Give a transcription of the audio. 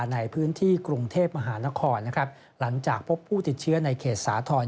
ในพื้นที่กรุงเทพมหานครนะครับหลังจากพบผู้ติดเชื้อในเขตสาธรณ์